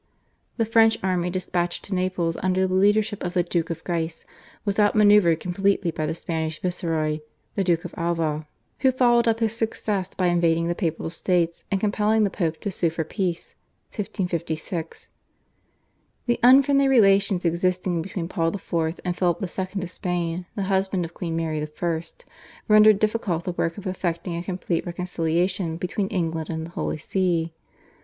The French army despatched to Naples under the leadership of the Duke of Guise was out manoeuvred completely by the Spanish Viceroy, the Duke of Alva, who followed up his success by invading the Papal States and compelling the Pope to sue for peace (1556). The unfriendly relations existing between Paul IV. and Philip II. of Spain, the husband of Queen Mary I., rendered difficult the work of effecting a complete reconciliation between England and the Holy See.